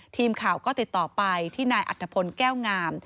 ทีมข่าวก็ติดต่อไปที่นายอัตภพลแก้วงาม